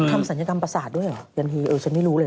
เขาทำสัญญากรรมประสาทด้วยเหรอยันฮีเออฉันไม่รู้เลย